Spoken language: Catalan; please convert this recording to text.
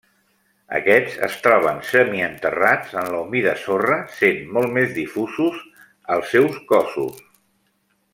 Aquests es troben semienterrats en la humida sorra, sent molt més difusos els seus cossos.